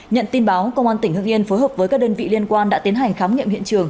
nhận tin báo công an tỉnh hưng yên phối hợp với các đơn vị liên quan đã tiến hành khám nghiệm hiện trường